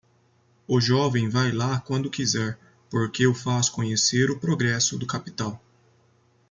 O jovem vai lá quando quiser, porque o faz conhecer o progresso do capital.